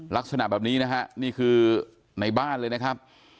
ลักษณะแบบนี้นะฮะนี่คือในบ้านเลยนะครับ